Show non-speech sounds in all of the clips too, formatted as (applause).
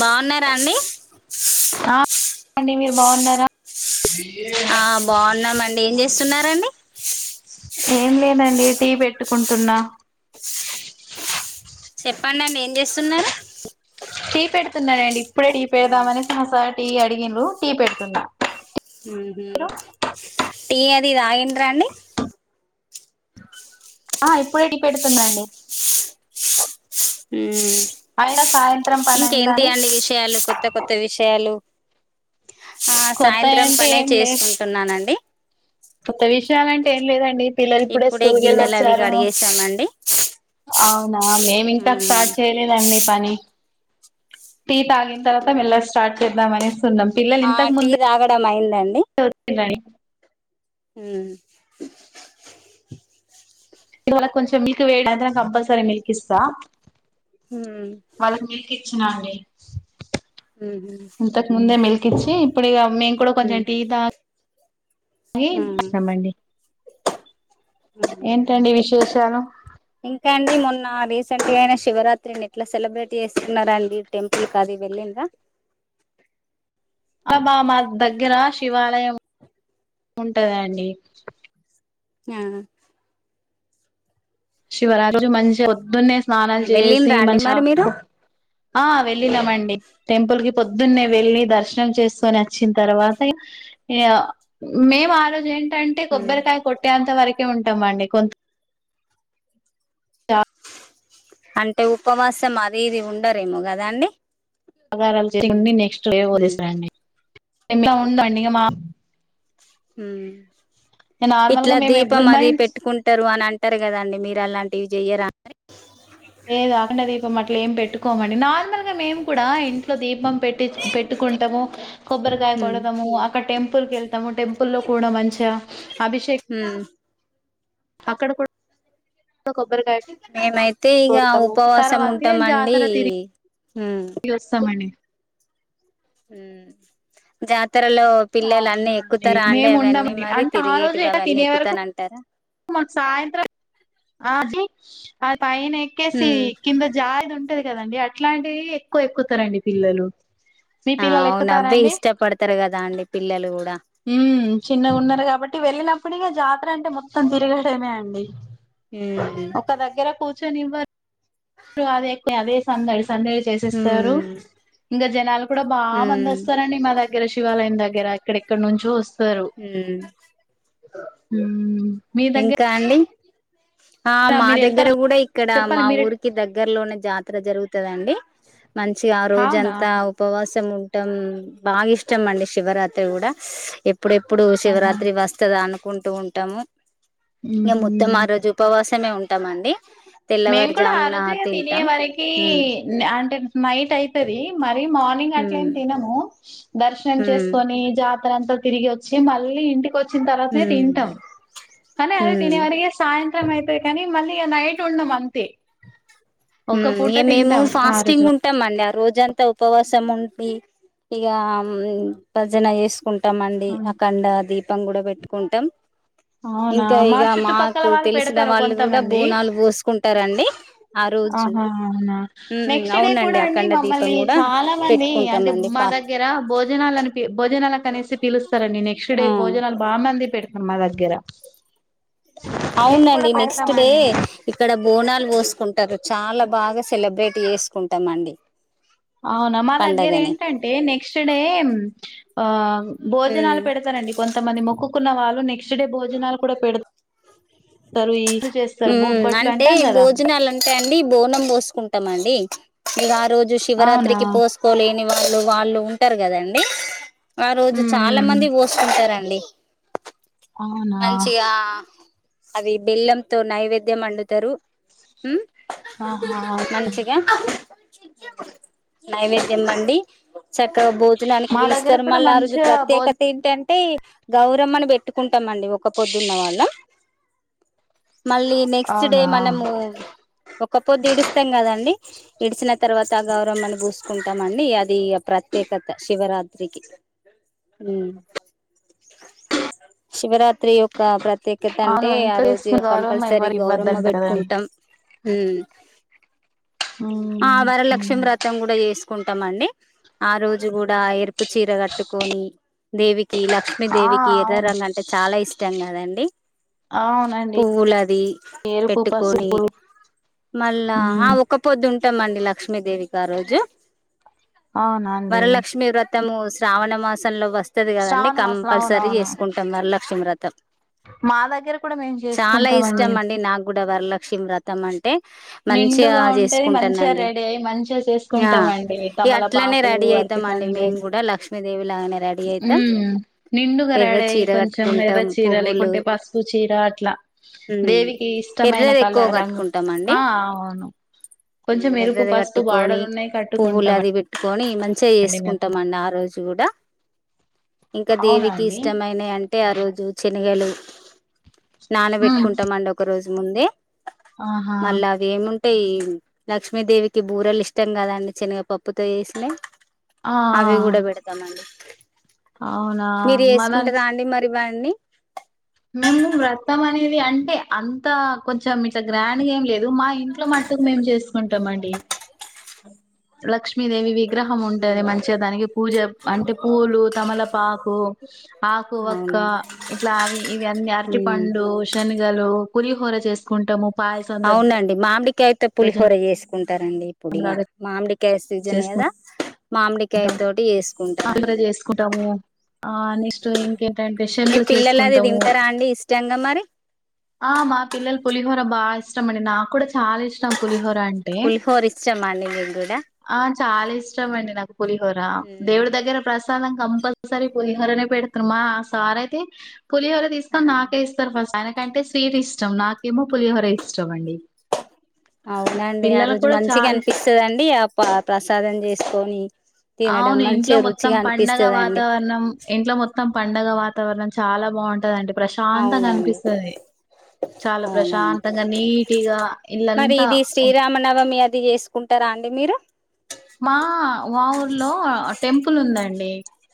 బాన్నారా అండి. ఆ అండి. మీరు బావున్నారా ఆ బావున్నామండి. ఏం చేస్తున్నారండి. ఏం లేదండి టీ పెట్టుకుంటున్నా చెప్పండి అండి. ఏం జేసున్నరు. టీ పెడుతున్నానండి. ఇప్పుడే టీ పెడదామని మా సార్ టీ అడిగిరు టీ పెడుతున్నా. మీరు ఉహు్ టీ అది తాయిండ్రా అండి. ఆ ఇప్పుడే టీ పెడుతున్నాడి. హు అయినా సాయంత్రం పని ఇంకేంటి అయిందని అండి విషయాలు కొత్త కొత్త విషయాలు ఆ కొత్తయి సాయంత్రం అంటే పనే ఏం లే చేసుకుంటున్నానండి. కొత్త విషయాలంటే ఏం లేదండి పిల్లలు ఇప్పుడే స్కూల్ గిన్నెలు అవి కేళ్ళొచ్చారు. కడిగేసామండి అవునా మేమింతక్ మ్మ్. స్టార్ట్ చేయలేదండి పని టీ తాగిన్ తర్వాత మెల్లగ్ స్టార్ట్ చేదాం అనేస్ కున్నం పిల్లలు ఆ ఇంతక్ టీ ముందే తాగడం తొడ్తున్నాయ్. హుహ్ ఇవళ కొంచెం మిల్క్ వేడైతనే కంపల్సరీ మిల్క్ ఇస్తా హుహ్ చ్చినాండి ఇంతకు ముందే మిల్క్ ఇచ్చి ఇప్పుడు ఇగ మేం కూడా కొంచెం మ్మ్. టీ దా గి మ్మ్. వచ్చినమండి ఏంటండి విశేషాలు ఇంకా అండి మొన్న రీసెంట్ గా అయిన శివరాత్రిని ఎట్లా సెలబ్రేట్ చేస్తున్నండి టెంపుల్ కది వెళ్ళిందా అబ్ ఆ మా దగ్గర శివాలయం ఉంటాదండి (unintelligible) శివరాత్రి (unintelligible) మంచిగా పొద్దున్నే స్నానాలూ చేసి వెళ్ళిండ్రా అండి మంచి మరి మీరు (unintelligible) ఆ వెళ్ళినం అండి టెంపుల్ కి పొద్దున్నే వెళ్ళి దర్శనం చేసుకొని అచ్చిన తరవాతే (unintelligible) మేం ఆ రోజు ఏం టంటే ఉమ్ కొబ్బరికాయ కొట్టేంత వరకే ఉంటాం అండి కొంత్ అంటే ఉపవాసం అది ఇది ఉండరేమో గదా అండి ఉమ్ (unintelligible) హ్మ్ నార్మల్ ఇట్లా గా మేము దీపం అది ఎవ్వరి పెట్టుకుంటారు అని అంటారు కదాండి మీరు అలాంటివి చెయ్యరా లేదు అఖండ దీపం అట్లా ఏం పెట్టుకోమండి నార్మల్ గా మేము కూడా ఇం తో దీపం పెట్టి పెట్టుకుంటాము కొబ్బరికాయ ఉమ్ కొడదము అక్కడ టెంపుల్ కెళ్తాము టెంపుల్ లో కూడా మంచా అభిషేక్ ఉమ్ అక్కడ కూడ్ కొబ్బరికాయ మేమైతే ఇక కొడతాము ఉపవాసం తర్వాతి ఉంటామండి జాతర తిరి ఉమ్ (inaudible) వస్తామండి ఉమ్ జా తరలో పిల్లలు అన్నీ అవునా ఎక్కుతారా అండి మేము అవన్నీ ఉండమండి మరి అంటే ఆ రోజు తిరిగేటివి ఎట్లా అవన్నీ తినే ఎక్కుతా వరకు అంటారా మాకు సాయంత్రం (unintelligible) పైన ఎక్కేసి ఉమ్ కింద జారేది ఉంటది కదండి అట్లాంటివి ఎక్కువ ఎక్కుతారండి పిల్లలు మీ ఆ పిల్లలు అవును ఎక్కుతారా అవ్వే అండి ఇష్టపడతారు కదా అండి పిల్లలు కూడా ఉమ్ చిన్నగున్నారు కాబట్టి వెళ్ళిన ప్పుడిగా జాతర అంటే మొత్తం తిరగడమే అండి ఉమ్ ఒక దగ్గర కూ ర్చోనివ్వరు అదే అదే సందు (unintelligible) సందడి చేసేస్తారు ఉమ్ ఇంకా జనాలు కూడా బాగా మంది ఉమ్ వస్తారండి మా ద గ్గర శివాలయం దగ్గర ఎక్కడెక్కడ నుంచో వస్ హుమ్ ఉమ్ ఇంకా అండి ఆ మా మీరు దగ్గర వెళ్తారా కూడా ఇక్కడ చెప్పండి మా మీరు ఊరికి దగ్గరలోన్న జా తర జరుగుతదండి మంచిగా ఆ అవునా రోజంతా ఉపవాసం ఉం టం బాగా ఇష్టం అండి శివరాత్రి కూడా స్స్ ఎప్పుడెప్పుడు ఆహా శివరాత్రి వస్తదా అను కుంటూ ఉంటాము ఇంగ మొత్తం ఊహూ ఆ రోజు ఉపవాసమే ఉంటామండి మేము కూడా ఆ తెల్లవారుజామున రోజే తినే తింటాం వరకి ఉమ్ అంటే నైట్ అయితది మరీ మా ర్నింగ్ అట్లేం ఉమ్ తినము దర్శనం ఉమ్ చేసుకొని జాతర అంతా తిరిగి వచ్చి మళ్ళీ ఇంటికి వచ్చిన్ తర్వాతనే ఉమ్ తింటాం కానీ అది ఉమ్ తినే వరకే సాయంత్రం అయితే కానీ మళ్ళీ ఇగ నైట్ ఉండమంతే మ్మ్ ఇగ మేము ఫాస్టింగ్ ఉంటామండి ఆ రో జంతా ఉపవాసం ఉండి ఇగ భజన వేసుకుం టమండి అఖండ దీపం కూడా పెట్టుకుంటాం అవునా ఇంకా మా ఇగ చుట్టుపక్కల మాకు వాళ్ళు తెలిసిన పెడతారు వాళ్ళు కూడా కొంతమంది బోనాలు పోసుకుంటారు అండి ఆహా అవునా నెక్స్ట్ డే కూడా అవునండి అండి అఖండ దీపం మమ్మల్ని కూడా చాలా మంది అంటే పెట్టుకుంటామండి మా ఫా దగ్ దగ్గర భోజనాలు అనిపి భోజనాల కనేసి పిలుస్తారండి నెక్స్ట్ డే ఆ భోజనాలు బా మంది పెడతన్నారు మా దగ్గర మేము కూడా అవునండి అవునా? నెక్స్ట్ డే పెడతామండి. ఇక్కడ బోనాలు పోసుకుంటారు చాలా బాగా సెలబ్రేట్ చేసుకుంటామండి అవునా మా దగ్గర పండగని ఏంటంటే నెక్స్ట్ డే ఆ భోజనాలు ఉమ్ పెడత తండి కొంతమంది మొక్కుకున్న వాళ్ళు నెక్స్ట్ డే భోజనాలు కూడా పెడు మ్మ్ బొబ్బట్లు అంటే అంటాం కదా! భోజనాలు అంటే అండి బోనం పోసుకుంటా మండి ఇగ ఆ రోజు అవునా! శివరాత్రికి పోసుకోలే లేని వాళ్ళు వాళ్ళు ఉంటారు కదండి ఆ రోజు హ్మ్. చాలా హ్మ్. మంది పోసుకుంటారన్ డి అవునా! మంచిగా అవి బెల్లంతో నైవేద్యం వండుతరు మ్మ్ ఆహా! మంచిగా నైవేద్యం వండి చక్కగా భోజనానికి మా దగ్గర పిలుస్తరు కూడా మళ్ళ ఆ రోజు మంచిగా భోజ ప్రత్యేకత ఏంటన్ టే గౌరమ్మని పెట్టుకుంటామండి ఒక్కపొద్దున్న వాళ్ళం మళ్ళీ నెక్స్ట్ డే అవునా! మనము ఒక్కపొద్దిడుస్తాం కదండి ఇడిచిన తర్వాత గౌరమ్మ ని పూసుకుంటామండి అది ప్రత్యేకత శివరాత్రికి శివరాత్రి యొక్క ప్రత్యేక తంటే అవును ఆ ఇంట్లో రోజు చేస్తున్న ఇగ గౌరవం కంపల్సరీ ఎవరు గౌరమ్మ ఇవ్వద్దంట కదండి పెట్టుకుంటాం మ్మ్ ఆ వరలక్ష్మి వ్రతం కూడా చేసుకుంటాం అండి ఆ రోజు కూడా ఎరు పు చీర కట్టుకొని దేవికి ఆ లక్ష్మీదేవికి ఎర్ర అవును రంగు అంటే చాలా ఇష్టం కదండి అవునండి పువ్వులది ఎరుపు పెట్టుకొని పసుపు మళ్ళా ఆ ఉమ్, ఒక్క పొద్దు ఉంటామండి లక్ష్మీదేవికి ఆ రోజు అవునండి వరలక్ష్మి వ్ర తము శ్రావణ మాసంలో వస్ వస్తది కదండి శ్రావణ మాసం కంపల్సరీ అవునవును చేసుకుంటాం వరలక్షమి వ్రతం మా దగ్గర కూడా మేము చాలా చేసుకుంటామండి ఇష్టం అండి నాకు కూడా వరలక్ష్మి వ్రతం అన్ టె మంచిగా నిండుగా ఉంటది మంచిగా చేసుకుంటానండి రెడీ అయి మంచిగా ఆ చేసుకుంటామండి ఇగ అట్లనే తమలపాకులు రెడి డీ అయితాం మేం కూడా లక్ష్మ్ మ్మ్ ఎర్ర నిండుగరాడే చీర కొంచెం ఎర్ర కట్టుకుంటాం చీర పువ్వులు లేకొంటే పస్ పు చీర అట్లా ఉమ్ దేవికి ఇష్టమైన ఎర్రది కళ ఎక్కువ రంగు కట్టుకుంటాం అండి ఆ అవును కొంచెం ఎరుపు ఎర్రది పసుపు కట్టుకొని బార్డలు ఉన్నాయి పువ్వులు కట్టుకుంటామ అది పెట్టుకొని మంచిగా చేసుకుంటామండి ఆ రోజు కూడా ఇంకా అవునా దేవికి అండి ఇష్టమైన యంటే ఆ రోజు చె శనిగలు నానబెట్టుకుంటామండి ఒక రోజు ముందే ఆహా మళ్ళా అవేమున్ టే ఈ లక్ష్మీదేవికి బూరలు ఇష్టం కదాండి చనగ పప్పుతో చేసినయి ఆ అవి కూడా పెడతామండి అవునా మీరు మనన్ చేసుకుంటారా అండి మరి ఇవన్ని మేము వ్రతం అనేది అంటే అంత కొంచెం ఇట్లా గ్రాండ్గా ఏం లేదు మా ఇంట్లో మట్టు మేము చేసుకుంటామ్ అండి లక్ష్మీదేవి విగ్రహం ఉంటది ఉమ్, మంచిగా దానికి పూజ అంటే పూలు తమలపాకు ఆకువక్క అవునండి ఇట్లా అవి ఇవి అన్నీ అరటి ఉమ్ పండు దొ శనిగలు పులిహోర చేసుకుంటాము పాయసం దద్ కాయతో పులిహోర చేసుకుంటారండి ఇప్పుడిగ లాగా మామిడికాయ సీజన్ కదా చేసుకుంటాం మామిడికాయ తోటి ఆంధ్ర చేసుకుంటారండి చేసుకుంటాము ఆ నెక్స్ట్ ఇంకేంటంటే మీ శనగలు పిల్లలు అది చేసుకుంటాము తింటారా అండి ఇష్టంగా మరి ఆ మా పిల్లలు పులిహోర బాగిష్టం అండి నాకు కూడా చాలా ఇష్టం పులిహోర పులిహోర ఇష్టమా అండి మీకు కూడా ఆ చాలిష్టమండి నాకు పులిహోరా దేవుడి ఉమ్ దగ్గర ప్రస్ సాలం కంపల్సరీ పులిహోర నే పెడుతునమా ఆ సార్ అయితే పులిహోర ఆ తీసుకొని నాకే ఇస్తారు ఫస్ట్ ఆయనకంటే స్వీట్ ఇష్టం నాకేమో పులిహోర ఇష్టమండి అవునండి ఆ రోజు కూడా మంచిగా చాలా ఇష్టం అనిపిస్తదండి ఆ ప్ర ప్రసాదం చేసుకొని, తినడం అవును ఇంట్లో మంచిగా మొత్తం రుచిగా పండగ అనిపిస్తదండి వాతావరణం ఇంట్లో మొత్తం పండగ వాతావరణం చాలా బాగుంటదండి ప్రశాంతంగా అవునండి అనిపిస్తది. చాలా అవునండి ప్రశాంతంగా నీటిగా మరి ఇల్లంతా ఇది శ్రీరామనవమి అది చేసుకుంట రా అండి మీరు మాఁ మా ఊర్లో టెంపుల్ ఉందండి!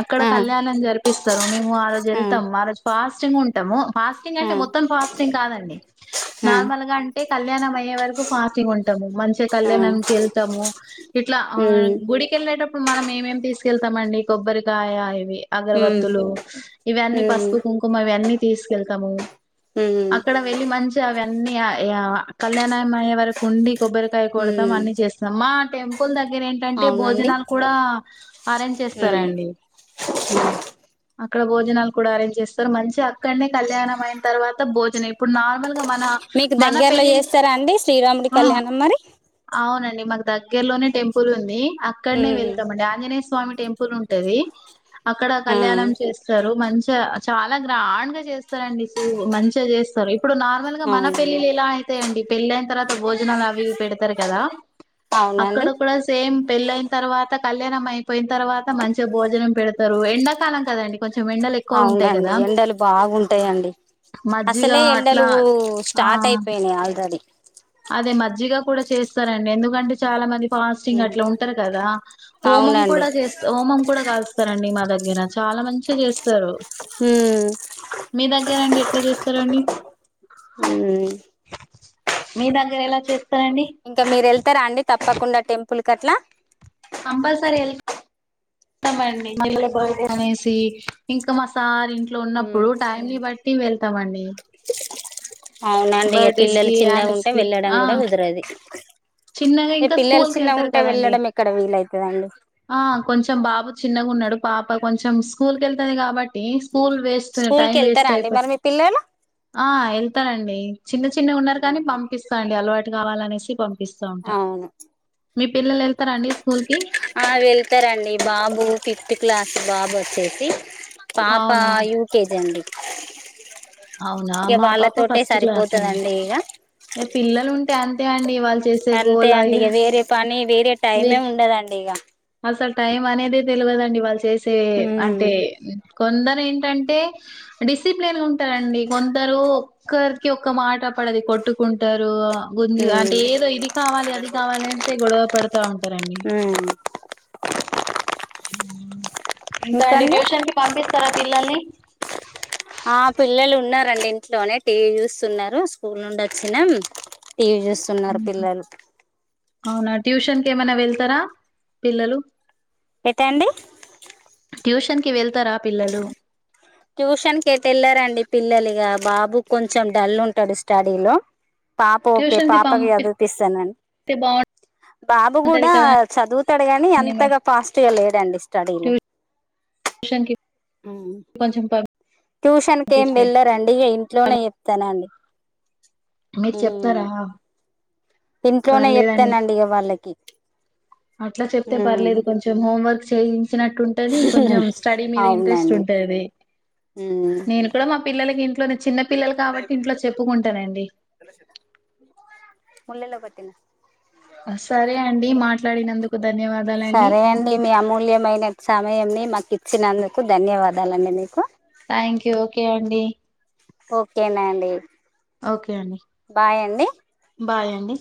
అక్కడ ఆ కళ్యాణం జరిపిస్తరు, మేము ఆ రోజు ఎళ్తమ్ ఆ రోజు ఫాస్టింగ్ ఉంటము. ఫాస్టింగ్ ఆ అంటే మొత్తం ఫాస్టింగ్ కాదండి ఆ నార్మల్గా అంటే కళ్యాణం అయ్యే వరకు ఫాస్టింగ్ ఉంటము. మంచిగా ఆ కళ్యాణానికి ఎళ్తము. ఇట్ల ఆ ఉమ్ గుడికెళ్ళేటప్పుడు మనం ఏమేమి తీసుకెళ్తంమండి కొబ్బరికాయ ఇవి, ఉమ్ అగరవత్తులు ఇవన్నీ ఉమ్ పసుపు కుంకుమ ఇవన్నీ తీసుకెళ్తమూ ఉమ్ అక్కడ వెళ్ళి మంచిగా అవన్నీ ఇగ ఇగా కళ్యాణం అయ్యే వరకు ఉండి, కొబ్బరికాయ కొడతం ఉమ్ అన్ని చేస్తం. మా టెంపుల్ దగ్ గర ఏంటంటే అవునండి భోజనాలు కూడా అరేంజ్ ఉమ్ చేస్తరండి. అక్కడ భోజనాలు కూడా అరేంజ్ చేస్తారు, మంచిగ అక్కడ్నే కళ్యాణం అయిన తర్వాత భోజనం ఇప్పుడు నార్మల్ గా మన మీకు మన దగ్గరలో పెళ్ళిళ్ చేస్తారా అండి శ్రీరాముడి ఉఁ కళ్యాణం మరి అవునండి మాక్ దగ్గర్లోనే టెంపుల్ ఉంది అక్కడ్నే ఉమ్ వెళ్తం అండి ఆంజనేయ స్వామి టెంపుల్ ఉంటదీ. అక్కడ ఆ కళ్యాణం చేస్తరు. మంచిగ చాలా గ్రాండ్ గా చేస్ తరు అండి సూ మంచిగ చేస్తరు. ఇప్పుడు నార్మల్గా మన అవునండి పెళ్లిళ్లు ఎలా అయితాయండి పెళ్ళి అయిన తర్వాత భోజనాలు అవి ఇవి పెడుతరు కదా! ఇక్కడ అవునండి కూడా సేమ్ పెళ్ళి అయిన తర్వాత కళ్యాణం అయిపోయిన తర్వాత మంచిగ భోజనం పెడుతరు. ఎండాకాలం కదండి! కొంచెం ఎండలు ఎక్కువ ఉంటయి అవునండి కదా! ఎండలు బాగుంటాయండి మజ్జిగ అసలే ఎండలు అట్లా ఆఁ స్టార్ట్ అయిపోయినాయి ఆల్రెడీ అదే మజ్జిగ కూడ చేస్తరండి ఎందుకంటే చాల మం ది ఫాస్టింగ్ అట్ల ఉంటరు కదా! హోమం కూడ అవునండి చేస్ హోమం కూడ కాలుస్తరండి మా దగ్గర. చాలా మంచిగ చేస్తరు. హ్మ్ మీ దగ్గరండి ఎట్ల చేస్తరండి? హ్మ్ మీ దగ్గర ఎలా చేస్ ఇంక మీరు ఎళ్తరా అండి తప్పకుండా టెంపుల్ కట్లా? కంపల్సరి ఎల్ తమండి (unintelligible) అనేసి ఇంక మా సార్ ఇంట్లో హ్మ్ ఉన్నప్పుడు టైంని బట్టి వెళ్తమండి. అవునండి ఇగ పిల్లలు చిన్నగుంటే యాన్యువల్స్‌కి వెళ్ళడం ఆ! గూడ కుదరది. చిన్నగా ఇంక స్కూల్కి ఎళ్తరు కదండి! వెళ్ళడం ఎక్కడ వీలవుతుందండి ఆ కొంచెం బాబు చిన్నగున్నడు, పాప కొంచెం స్కూల్కెళ్తది కాబట్టీ స్కూల్ వేస్ట్ స్కూల్ కి టైమ్ వేస్ట్ వెళ్తారా అండి మరి అయిపోతే మీ పిల్లలు ఆ ఎళ్తానండి చిన్న చిన్న ఉన్నరు కాని పంపిస్తా అండి అలవాటు కావాలనేసి పంపిస్తావుంట. అవును మీ పిల్లలు ఎళ్తరా అండి స్కూల్ కి? ఆ వెళ్తరండి బాబు ఫిఫ్త్ క్లాస్ బాబు వచ్చేసి, పాప అవునా? యూ కే జీ అండి. అవునా ఇక మా పాప వాళ్ళతోటే ఫస్ట్ క్లాస్ అండి. సరిపోతుందండి ఇక ఇగ పిల్లలు ఉంటే అంతే అండి వాళ్ అంతే అండి ఇగ వేరే పని వేరే వే టైమే ఉండదండి ఇగ అసలు టైం అనేది తెల్వదండి వాళ్ చేసే అంటే కొందరు ఏంటంటే డిసిప్లేన్ ఉంటరండి, కొందరు ఒక్కరికి ఒక్క మాట పడదు కొట్టుకుంటరు. గుంజు అంటే ఏదో ఇది కావాలి, అది కావాలి అనేసే గొడవ పడుతా ఉంటరండి. ఇంకా అండి ఇంకండి ట్యూషన్ కి పంపిస్తరా పిల్లల్ని? ఆ పిల్లలు ఉన్నారుడి ఇంట్లోనే టీవీ చూస్తున్నరు స్కూల్ నుండి వచ్చినమ్. టి వి చూస్తున్నారు మ్మ్. పిల్లలు. అవునా ట్యూషన్ కేమైనా వెళ్తారా పిల్లలు. ఎటండి ట్యూషన్ కి వెళ్తారా పిల్లలు. ట్యూషన్ కైతే వెళ్లరండి పిల్లలిగా బాబు కొంచెం డల్ ఉంటడు స్టడీలో పాప ఓకే ట్యూషన్ కి పాపకి పంపిస్తే చదుపిస్తానండ్ బాబు బాగుంటది కూడా కదండి చదువుతాడు గాని మరి ఎంతగా ఫాస్ట్ గా లేడండి. స్టడీలో ట్యూషన్ కి హ్మ్ కొంచెం ట్యూషన్కేం పంపిస్తే వెళ్ళరండి ఇక ఇంట్లోనే చెప్తనండి. మీరు చెప్తారా ఇంట్లోనే పర్లేదండి చెప్తానండి ఇక వాళ్ళకి అట్లా చెప్తే ఉమ్ పర్లేదు కొంచెం హోంవర్క్ చేయించినట్టుంట మేబీ ఉంటది కొంచెం స్టడీ మీద ఇంట్రెస్ట్ అవునండి ఉంటది. ఉమ్ నేను కూడా మా పిల్లలకి ఇంట్లోనే చిన్న పిల్లలు కాబట్టి ఇంట్లో చెప్పుకుంటానండి తెల్స్ సరే అండి మాట్లాడినందుకు ధన్యవాదాలండి సరే అండి మీ అమూల్యమైన సమయంని మాకు ఇచ్చినందుకు ధన్యవాదాలండి మీకు థ్యాంక్ యూ ఓకే అండి. ఓకేనా అండి ఓకే అండి బాయ్ అండి బాయ్ అండి.